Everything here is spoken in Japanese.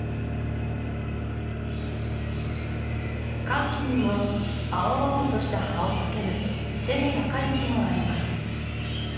乾季にも青々とした葉をつける背の高い木もあります